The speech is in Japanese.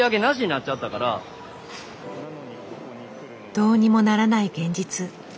どうにもならない現実。